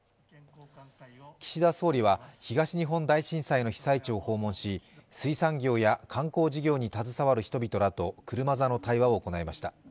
岸田総理は東日本大震災の被災地を訪問し水産業や観光事業に携わる人々らと車座の対話を行いました。